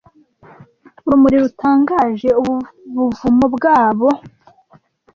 urumuri rutangaje muri ububuvumo bwabo